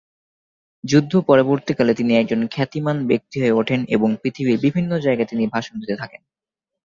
যুদ্ধ-পরবর্তীকালে, তিনি একজন খ্যাতিমান ব্যক্তি হয়ে ওঠেন এবং পৃথিবীর বিভিন্ন জায়গায় তিনি ভাষণ দিতে থাকেন।